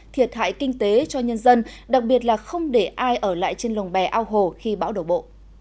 thiệt hại kinh tế cho nhân dân đặc biệt là không để ai ở lại trên lồng bè ao hồ khi bão đổ bộ